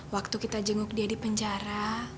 waktu kita jenguk dia di penjara